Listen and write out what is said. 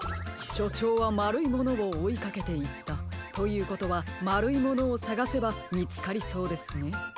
しょちょうはまるいものをおいかけていったということはまるいものをさがせばみつかりそうですね。